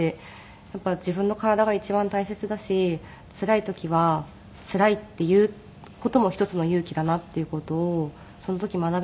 やっぱり自分の体が一番大切だしつらい時は「つらい」って言う事も一つの勇気だなっていう事をその時学びましたし。